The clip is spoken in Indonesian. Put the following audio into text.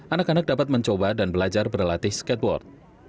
anak anak dapat mencoba dan belajar berlatih skateboard